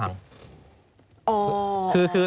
ถ้าเกิดอะไรขึ้นนะครับ